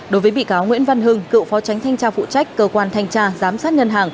đối với bị cáo nguyễn văn hưng cựu phó tránh thanh tra phụ trách cơ quan thanh tra giám sát ngân hàng